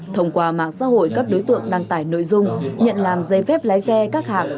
thông qua mạng xã hội các đối tượng đăng tải nội dung nhận làm giấy phép lái xe các hạng